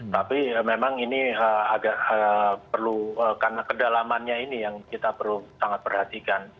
tapi memang ini agak perlu karena kedalamannya ini yang kita perlu sangat perhatikan